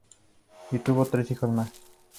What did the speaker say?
Y tuvo tres hijos más.